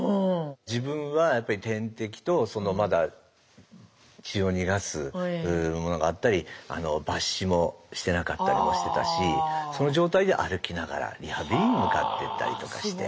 自分は点滴とまだ血を逃がすものがあったり抜糸もしてなかったりもしてたしその状態で歩きながらリハビリに向かっていったりとかして。